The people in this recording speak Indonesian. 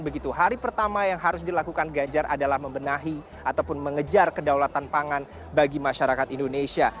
begitu hari pertama yang harus dilakukan ganjar adalah membenahi ataupun mengejar kedaulatan pangan bagi masyarakat indonesia